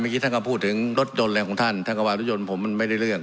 ท่านก็พูดถึงรถยนต์อะไรของท่านท่านก็ว่ารถยนต์ผมมันไม่ได้เรื่อง